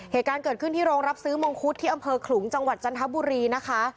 เหตุการณ์เกิดขึ้นที่โรงรับซื้อมงคุดที่อำเภอขลุงจังหวัดจันทบุรีนะคะ